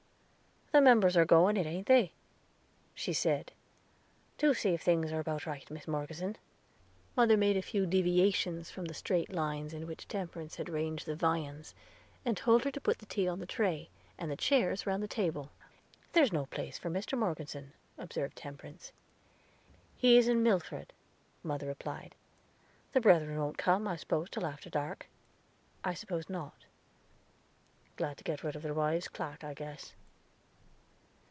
"The members are goin' it, ain't they?" she said. "Do see if things are about right, Mis Morgeson." Mother made a few deviations from the straight lines in which Temperance had ranged the viands, and told her to put the tea on the tray, and the chairs round the table. "There's no place for Mr. Morgeson," observed Temperance. "He is in Milford," mother replied. "The brethren wont come, I spose, till after dark?" "I suppose not." "Glad to get rid of their wives' clack, I guess."